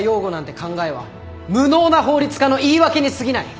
考えは無能な法律家の言い訳にすぎない。